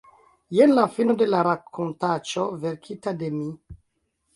Jen la fino de la rakontaĉo verkita de mi.